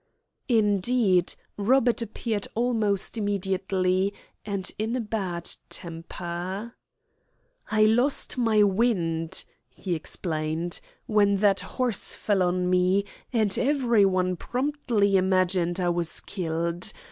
Indeed, Robert appeared almost immediately, and in a bad temper. "I lost my wind," he explained, "when that horse fell on me, and everyone promptly imagined I was killed.